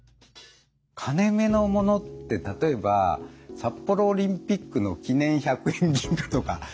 金めの物って例えば札幌オリンピックの記念１００円銀貨とか。